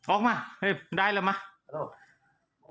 ออกมาได้ละมา